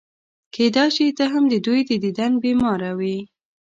کېدای شي ته هم د دوی د دیدن بیماره وې.